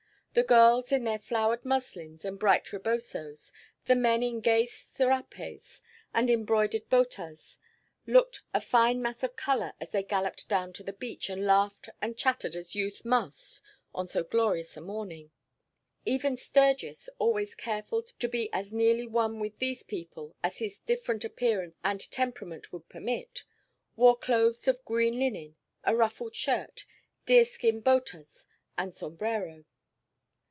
The girls, in their flowered muslins and bright rebosos, the men in gay serapes and embroidered botas, looked a fine mass of color as they galloped down to the beach and laughed and chattered as youth must on so glorious a morning. Even Sturgis, always careful to be as nearly one with these people as his different appearance and temperament would permit, wore clothes of green linen, a ruffled shirt, deer skin botas and sombrero.